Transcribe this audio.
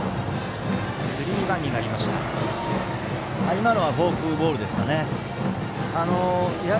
今のはフォークボールですかね。